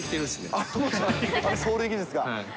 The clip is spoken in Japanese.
あの走塁技術が。